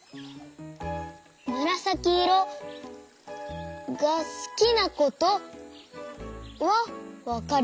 むらさきいろがすきなことはわかりました。